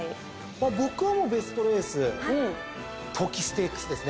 僕はベストレース朱鷺ステークスですね。